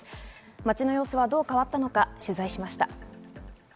街の様子はどう変わったのか取材しました。